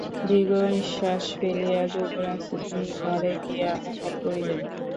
দীর্ঘনিশ্বাস ফেলিয়া যুবরাজ দ্বারে গিয়া আঘাত করিলেন।